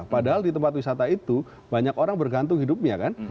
padahal di tempat wisata itu banyak orang bergantung hidupnya kan